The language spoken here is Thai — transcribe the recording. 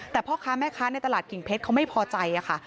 แต่พ่อค้าแม่ค้าในตลาดกิ่งเพชรเขาไม่พอใจค่ะ